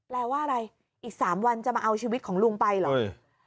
แปลว่าอะไรอีก๓วันจะมาเอาชีวิตของลุงไปเหรอ